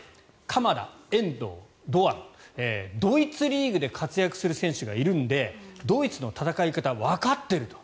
鎌田、遠藤、堂安ドイツリーグで活躍する選手がいるのでドイツの戦い方わかっていると。